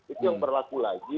itu yang berlaku lagi